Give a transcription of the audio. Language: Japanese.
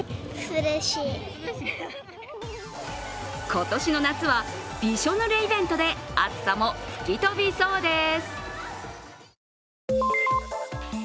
今年の夏はびしょぬれイベントで暑さも吹き飛びそうです。